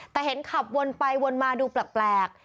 แต่เห็นขับวนไปวนมาดูแปลก